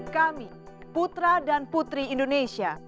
kami putra dan putri indonesia